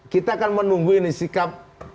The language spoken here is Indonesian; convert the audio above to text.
kita akan menunggu ini sikap